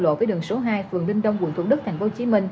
giao lộ với đường số hai phường linh đông quận thủ đức tp hcm